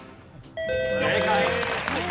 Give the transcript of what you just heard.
正解。